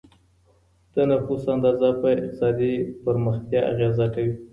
د نفوس اندازه په اقتصادي پرمختیا اغېزه کوي.